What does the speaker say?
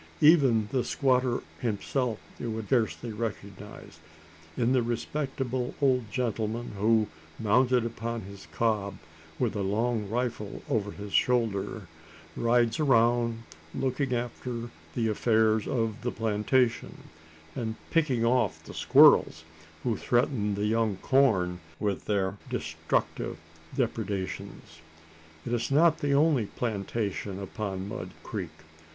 Even the squatter himself you would scarcely recognise, in the respectable old gentleman, who, mounted upon his cob, with a long rifle over his shoulder, rides around, looking after the affairs of the plantation, and picking off the squirrels, who threaten the young corn with their destructive depredations. It is not the only plantation upon Mud Creek.